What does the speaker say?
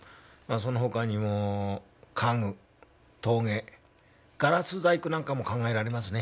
その他にも家具陶芸ガラス細工なんかも考えられますね。